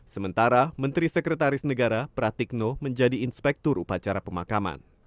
sementara menteri sekretaris negara pratikno menjadi inspektur upacara pemakaman